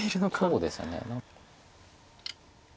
そうですね。